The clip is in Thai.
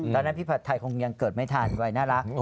ตอนนั้นพี่ผัดถ่ายคงยังเกิดไม่ทันวัยน่ารัก